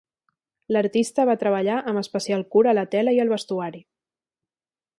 L'artista va treballar amb especial cura la tela i el vestuari.